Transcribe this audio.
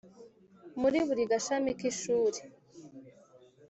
muri buri gashami k ishuri.